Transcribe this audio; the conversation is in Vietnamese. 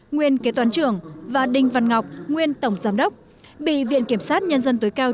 nguyên kế toán trưởng và đinh văn ngọc nguyên tổng giám đốc bị viện kiểm sát nhân dân tối cao